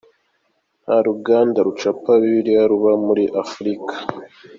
Nta ruganda rucapa bibiliya ruba muri Afurika.